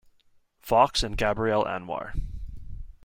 Fox and Gabrielle Anwar.